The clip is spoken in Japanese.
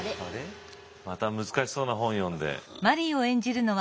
また難しそうな本読んで。